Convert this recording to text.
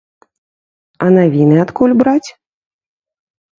А навіны адкуль браць?